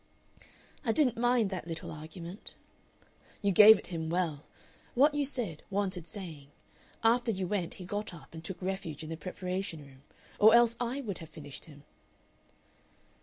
"I didn't mind that little argument." "You gave it him well. What you said wanted saying. After you went he got up and took refuge in the preparation room. Or else I would have finished him."